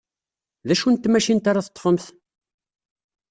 D acu n tmacint ara teḍḍfemt?